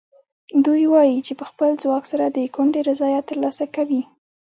دوی وایي چې په خپل ځواک سره د کونډې رضایت ترلاسه کوي.